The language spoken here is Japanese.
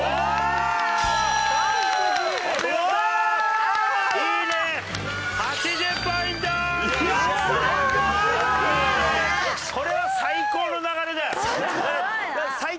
これは最高の流れだよ。